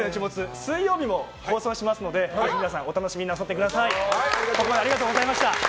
水曜日も放送しますので皆さんぜひお楽しみになさってください。